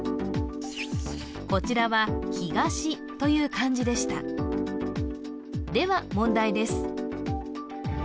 こちらは「東」という漢字でしたでは問題です